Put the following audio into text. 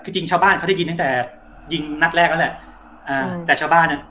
คือจริงชาวบ้านเขาได้ยินตั้งแต่ยิงนัดแรกแล้วแหละอ่าแต่ชาวบ้านอ่ะ